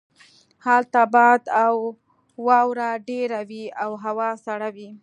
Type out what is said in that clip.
هلته باد او واوره ډیره وی او هوا سړه وي